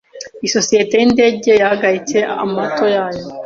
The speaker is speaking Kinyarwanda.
Isosiyete y’indege yahagaritse amato yayo.